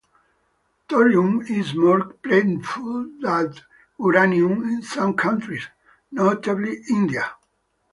Thorium is more plentiful than uranium in some countries, notably India.